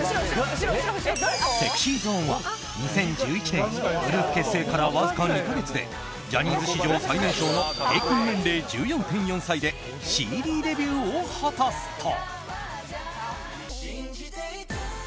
ＳｅｘｙＺｏｎｅは２０１１年グループ結成からわずか２か月でジャニーズ史上最年少の平均年齢１４．４歳でＣＤデビューを果たすと。